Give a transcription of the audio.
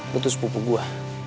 lu tuh sepupu gua